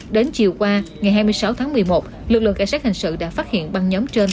đến chiều qua ngày hai mươi sáu tháng một mươi một lực lượng cảnh sát hình sự đã phát hiện băng nhóm trên